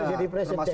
sudah jadi presiden